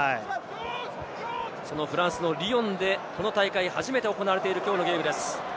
フランスのリヨンでこの大会初めて行われている、きょうのゲームです。